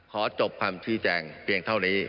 ขอจบความพลิกแจงเท่านี้